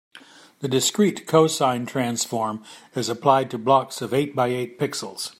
The discrete cosine transform is applied to blocks of eight by eight pixels.